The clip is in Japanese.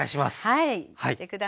はい。